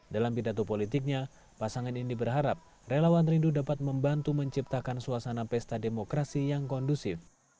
dalam pidato politiknya pasangan ini berharap relawan rindu dapat membantu menciptakan suasana pesta demokrasi yang kondusif